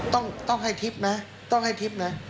ต้องต้องให้ทิปนะต้องให้ทิปนะ